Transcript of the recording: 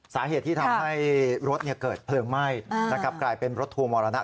สาเหตุที่ทำให้รถเกิดเพลิงไหม้และกลับกลายเป็นรถธูมอล์มอล์นัก